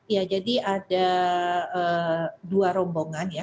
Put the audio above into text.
ya jadi ada dua rombongan ya